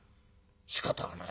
しかたがない。